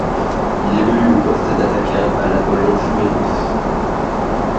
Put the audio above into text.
Il évolue au poste d'attaquant à l'Apollon Smyrnis.